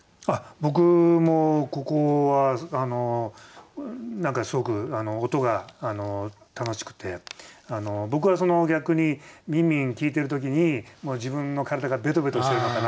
僕もここは何かすごく音が楽しくて僕はその逆にみんみん聞いてる時に自分の体がべとべとしてるのかな？